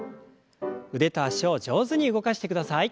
腕と脚を上手に動かしてください。